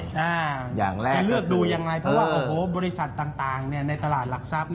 จะเลือกดูอย่างไรเพราะว่าบริษัทต่างในตลาดหลักทรัพย์